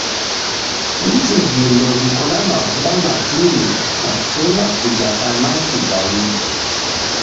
Dije vindo viko na mavuda matini na sena kuja samaki zaidi.